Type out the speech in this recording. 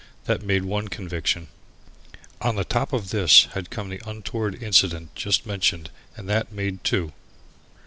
That made one conviction. On the top of this had come the untoward incident just mentioned and that made two.